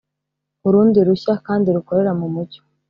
urundi rushya kandi rukorera mu mucyo